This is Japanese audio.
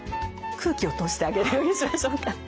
空気を通してあげるようにしましょうか。